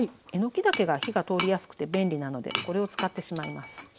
えのきだけが火が通りやすくて便利なのでこれを使ってしまいます。